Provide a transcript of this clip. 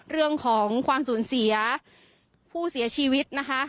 เรื่องของความสูญเสียผู้เสียชีวิตนะคะ